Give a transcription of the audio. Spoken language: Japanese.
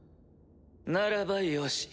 ならばよし。